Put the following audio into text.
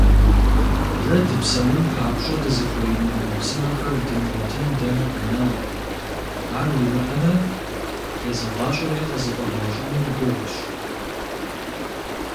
Дэ дыпсэун папщӀэ дызыхуеину Ӏэмэпсымэхэр дымыгъуэтын дэнэ къэна, ар уимыӀэмэ, езы гъащӀэри къызыфӀэбгъэщӀыну гугъущ.